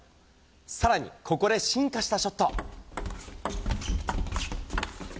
さらにここで進化したショット。